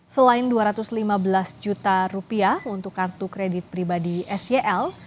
selain dua ratus lima belas juta rupiah untuk kartu kredit pribadi sel